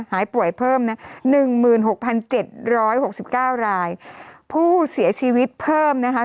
หายป่วยเพิ่มนะหนึ่งหมื่นหกพันเจ็ดร้อยหกสิบเก้ารายผู้เสียชีวิตเพิ่มนะคะ